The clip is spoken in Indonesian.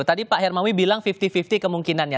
tadi pak hermawi bilang lima puluh lima puluh kemungkinan ya